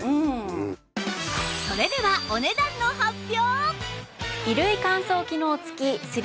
それではお値段の発表！